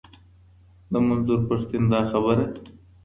د منظور پښتین دا خبره.